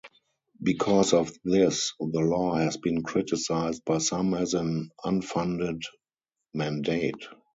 Because of this, the law has been criticized by some as an unfunded mandate.